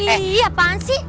iii apaan sih